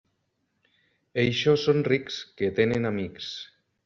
Eixos són rics, que tenen amics.